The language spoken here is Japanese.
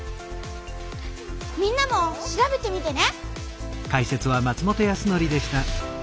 みんなも調べてみてね！